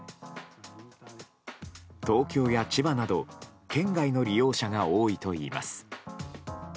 東京や千葉など県外の利用者が多いといいます。